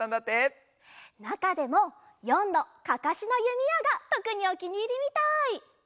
なかでも４のかかしのゆみやがとくにおきにいりみたい！